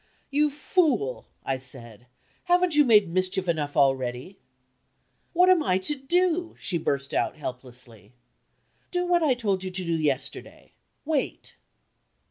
"You fool," I said; "haven't you made mischief enough already?" "What am I to do?" she burst out, helplessly. "Do what I told you to do yesterday wait."